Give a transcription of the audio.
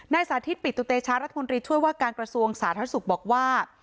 สาธิตปิตุเตชะรัฐมนตรีช่วยว่าการกระทรวงสาธารณสุขบอกว่า